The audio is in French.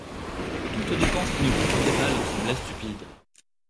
Toute dépense qui ne profitait pas leur semblait stupide.